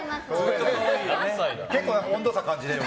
結構、温度差感じる。